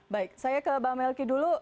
baik saya ke bang melki dulu